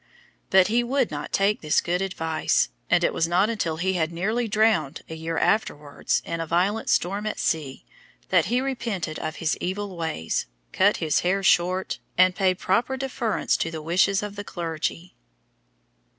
But he would not take this good advice, and it was not until he had been nearly drowned a year afterwards, in a violent storm at sea, that he repented of his evil ways, cut his hair short, and paid proper deference to the wishes of the clergy.